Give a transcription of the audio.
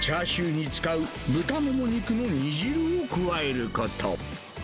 味の決め手は、チャーシューに使う豚もも肉の煮汁を加えること。